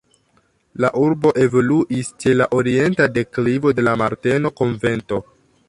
La urbo evoluis ĉe la orienta deklivo de la Marteno-konvento.